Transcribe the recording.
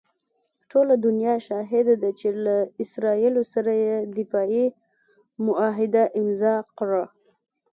ټوله دنیا شاهده ده چې له اسراییلو سره یې دفاعي معاهده امضاء کړه.